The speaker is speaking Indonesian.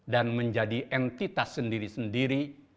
dan menjadi entitas sendiri sendiri